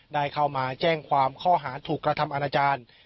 ได้เข้ามาแจ้งความข้อหารถูกกระทำอาณาจารย์